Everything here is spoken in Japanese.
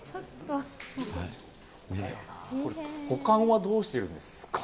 保管はどうしているんですかね。